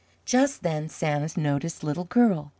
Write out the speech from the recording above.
Just then Santa noticed Little Girl.